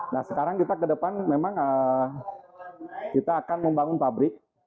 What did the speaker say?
nah sekarang kita ke depan memang kita akan membangun pabrik